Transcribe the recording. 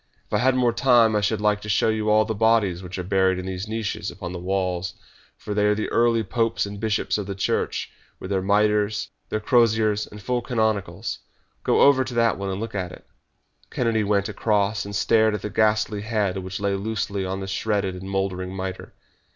"If I had more time I should like to show you all the bodies which are buried in these niches upon the walls, for they are the early popes and bishops of the Church, with their mitres, their croziers, and full canonicals. Go over to that one and look at it!" Kennedy went across, and stared at the ghastly head which lay loosely on the shredded and mouldering mitre.